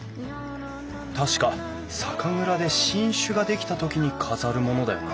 確か酒蔵で新酒ができたときに飾るものだよな。